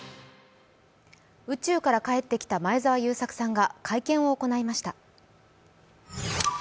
宇宙から帰ってきた前澤友作さんが会見を行いました。